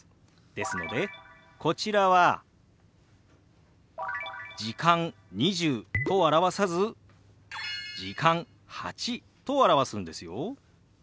ですのでこちらは「時間」「２０」と表さず「時間」「８」と表すんですよ。